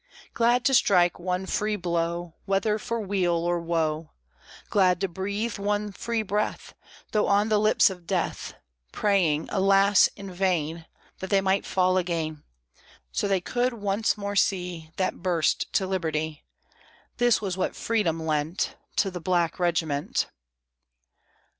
Glad to strike one free blow, Whether for weal or woe; Glad to breathe one free breath, Though on the lips of death; Praying, alas! in vain! That they might fall again, So they could once more see That burst to liberty! This was what "freedom" lent To the black regiment.